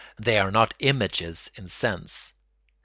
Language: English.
_, they are not images in sense.